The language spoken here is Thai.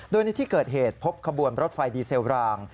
โดยในที่เกิดเหตุพบขบวนรถไฟดีเซลราง